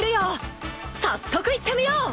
早速いってみよう！